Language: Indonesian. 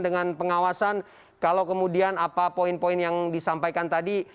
dengan pengawasan kalau kemudian apa poin poin yang disampaikan tadi